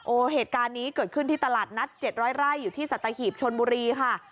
เหตุการณ์นี้เกิดขึ้นที่ตลาดนัด๗๐๐ไร่อยู่ที่สัตหีบชนบุรีค่ะ